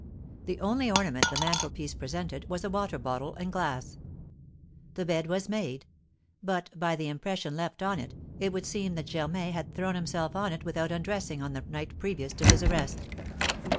The only ornament the mantelpiece presented was a water bottle and glass. The bed was made; but, by the impression left on it, it would seem that Germain had thrown himself on it without undressing on the night previous to his arrest.